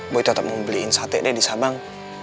boy tetap mau beliin sate deh di sabang